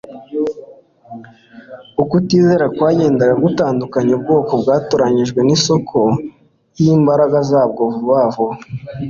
Ukutizera kwagendaga gutandukanya ubwoko bwatoranyijwe nIsoko yimbaraga zabwo vuba vuba